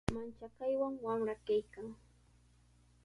Manchakaywan wamra kaykan.